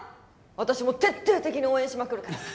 私も徹底的に応援しまくるからね